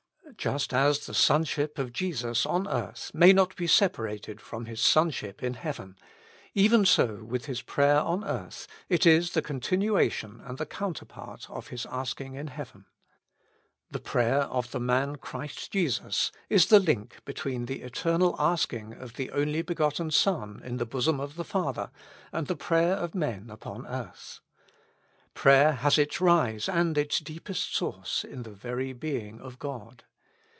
Just as the Sonship of Jesus on earth may not be separated from His Sonship in heaven, even so with His prayer on earth, it is the continuation and the counterpart of His asking in heaven. The prayer of the man Christ Jesus is the link between the eternal asking of the only begotten Son in the bosom of the Father and the prayer of men upon earth. Prayer has its rise and its deepest source in the very Being of God.